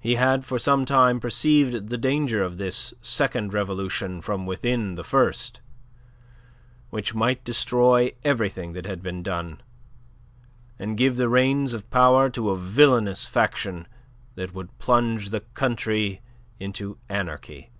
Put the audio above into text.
He had for some time perceived the danger of this second revolution from within the first, which might destroy everything that had been done, and give the reins of power to a villainous faction that would plunge the country into anarchy.